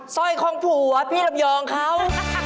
สร้อยของผัวพี่ลำยองเขา